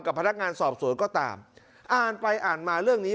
พนักงานสอบสวนก็ตามอ่านไปอ่านมาเรื่องนี้